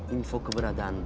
info keberadaan boy